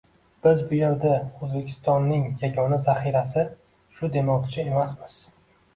Biz bu yerda O‘zbekistonning yagona zaxirasi shu demoqchi emasmiz